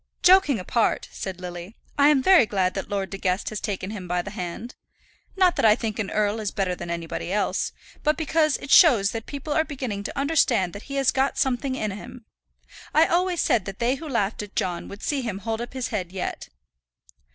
"Joking apart," said Lily, "I am very glad that Lord De Guest has taken him by the hand. Not that I think an earl is better than anybody else, but because it shows that people are beginning to understand that he has got something in him. I always said that they who laughed at John would see him hold up his head yet."